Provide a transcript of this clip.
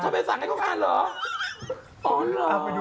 ทำไมสั่งให้เขาค้าหรอ